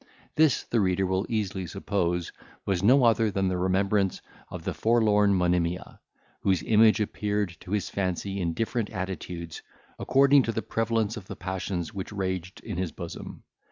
This, the reader will easily suppose, was no other than the remembrance of the forlorn Monimia, whose image appeared to his fancy in different attitudes, according to the prevalence of the passions which raged in his bosom.